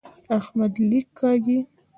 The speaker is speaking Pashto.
احمد لیک کاږي.